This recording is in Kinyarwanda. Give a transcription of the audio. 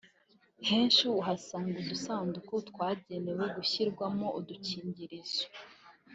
henshi uhasanga udusanduku twagenewe gushyirwamo udukingirizo